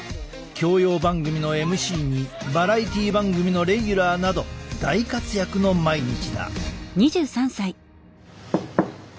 教養番組のＭＣにバラエティー番組のレギュラーなど大活躍の毎日だ。